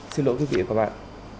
xin lỗi quý vị và các bạn